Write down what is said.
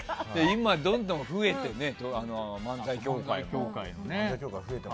今、どんどん増えて漫才協会も、会員が。